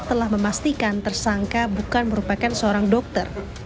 telah memastikan tersangka bukan merupakan seorang dokter